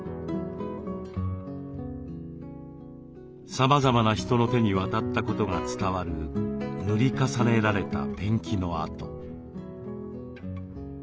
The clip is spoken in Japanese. さまざまな人の手に渡ったことが伝わる塗り重ねられたペンキの跡。